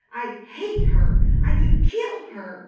I hate her! I could kill her!"